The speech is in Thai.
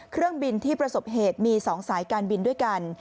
เครื่องบินที่ประสบเหตุมี๒สายการบินด้วยกัน